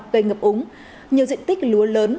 gây ngập úng nhiều diện tích lúa lớn